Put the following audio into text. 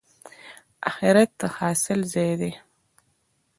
اخرت د حاصل ځای دی